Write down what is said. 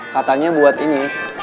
katanya buat ini